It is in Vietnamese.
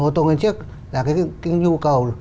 ô tô nguyên chiếc là cái nhu cầu